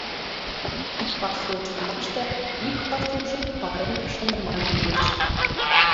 Куд пасу ыштымаште ик пасужо пареҥге шындыман лиеш.